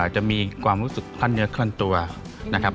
จะมีความรู้สึกท่านเนื้อท่านตัวนะครับ